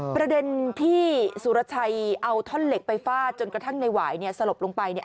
ประเด็นที่สุรชัยเอาท่อนเหล็กไปฟาดจนกระทั่งในหวายเนี่ยสลบลงไปเนี่ย